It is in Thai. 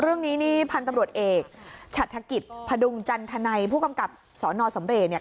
เรื่องนี้นี่พันธุ์ตำรวจเอกฉัดธกิจพดุงจันทนัยผู้กำกับสนสำเรย์เนี่ย